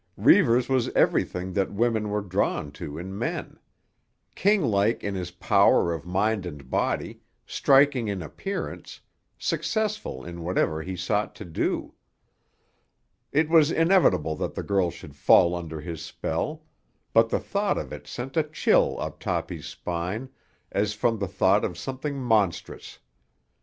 Reivers was everything that women were drawn to in men—kinglike in his power of mind and body, striking in appearance, successful in whatever he sought to do. It was inevitable that the girl should fall under his spell, but the thought of it sent a chill up Toppy's spine as from the thought of something monstrous.